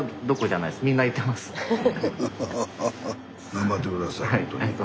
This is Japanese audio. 頑張って下さいほんとに。